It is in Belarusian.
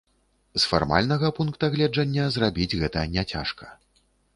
З фармальнага пункта гледжання зрабіць гэта няцяжка.